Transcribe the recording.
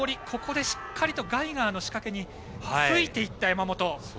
ここでしっかりとガイガーの仕掛けについていった山本。